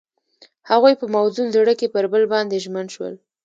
هغوی په موزون زړه کې پر بل باندې ژمن شول.